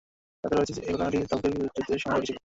তাতে রয়েছে যে, এ ঘটনাটি তাবুকের যুদ্ধের সময় ঘটেছিল!